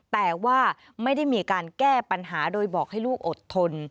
แต่ว่าไม่ได้มีการแก้ปัญหาโดยบอกให้ลูกอดทน